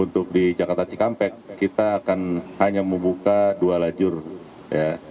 untuk di jakarta cikampek kita akan hanya membuka dua lajur ya